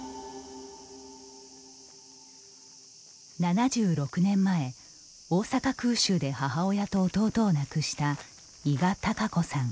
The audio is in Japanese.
７６年前、大阪空襲で母親と弟を亡くした伊賀孝子さん。